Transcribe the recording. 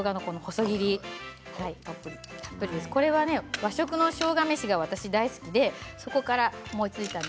和食のしょうが飯が私、大好きでそこから思いつきました。